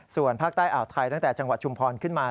ส่วนภาคใต้อ่าวไทยตั้งแต่จังหวัดชุมพรขึ้นมา